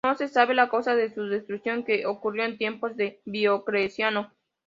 No se sabe la causa de su destrucción, que ocurrió en tiempos de Diocleciano.